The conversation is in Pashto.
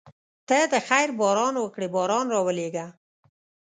ته د خیر باران وکړې باران راولېږه.